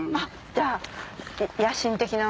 じゃあ野心的な。